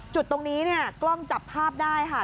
จุดตรงนี้เนี่ยกล้องจับภาพได้ค่ะ